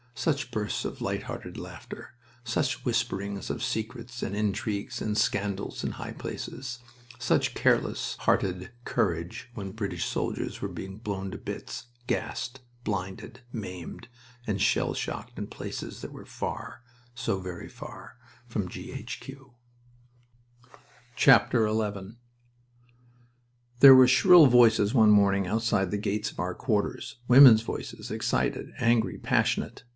Such bursts of light hearted laughter! Such whisperings of secrets and intrigues and scandals in high places! Such careless hearted courage when British soldiers were being blown to bits, gassed, blinded, maimed, and shell shocked in places that were far so very far from G. H. Q.! XI There were shrill voices one morning outside the gate of our quarters women's voices, excited, angry, passionate.